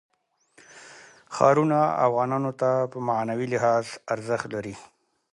ښارونه افغانانو ته په معنوي لحاظ ارزښت لري.